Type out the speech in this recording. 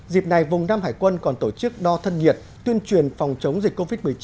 dịp này vùng nam hải quân còn tổ chức đo thân nhiệt tuyên truyền phòng chống dịch covid một mươi chín